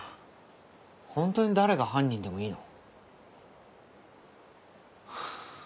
本当に誰が犯人でもいいの？